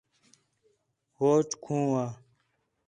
ہوچ کھوں وا